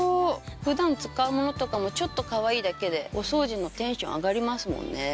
普段使うものとかもちょっとかわいいだけでお掃除のテンション上がりますもんね。